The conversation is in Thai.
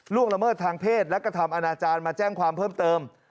ละเมิดทางเพศและกระทำอนาจารย์มาแจ้งความเพิ่มเติม